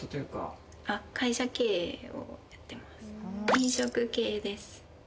飲食系です。